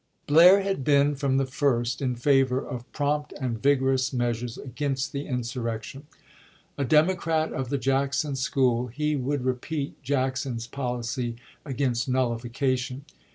15,1861. MS. Blair had been from the first in favor of prompt and vigorous m'easures against the insurrection. A Democrat of the Jackson school, he would repeat Jackson's policy against nullification.